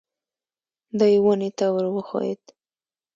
دی ونې ته ور وښوېد.